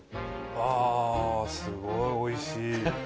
あすごいおいしい。